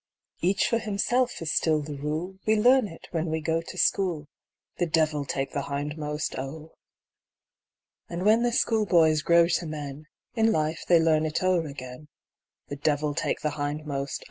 for himself is still the rule ; j_We learn it when we go to school The devil take the hindmost, ! And when the schoolboys grow to men, In life they learn it o'er again The devil take the hindmost